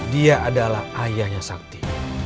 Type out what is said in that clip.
dia adalah ayahnya sakti